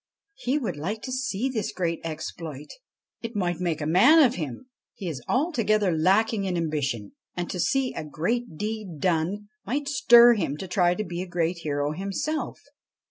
He would like to see this great exploit. It might make a man of him. He is altogether lacking in ambition, and to see a great deed done might stir him to try to be a great hero himself.